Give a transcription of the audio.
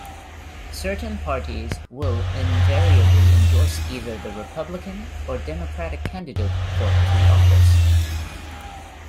Certain parties will invariably endorse either the Republican or Democratic candidate for every office.